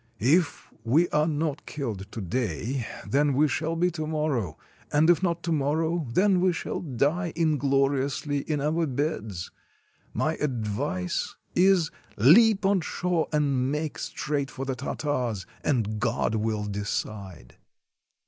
If we are not killed to day, then we shall be to morrow, and if not to morrow, then we shall die ingloriously in our beds. My advice is, leap on shore and make straight for the Tartars — and God will decide."